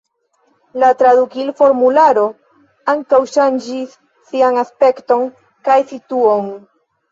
La tradukil-formularo ankaŭ ŝanĝis sian aspekton kaj situon.